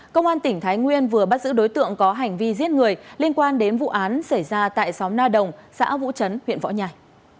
công an tỉnh thái nguyên vừa bắt giữ đối tượng có hành vi giết người liên quan đến vụ án xảy ra tại xóm na đồng xã vũ chấn huyện võ nhai